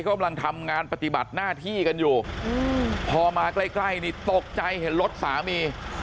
กำลังทำงานปฏิบัติหน้าที่กันอยู่พอมาใกล้นี่ตกใจเห็นรถสามี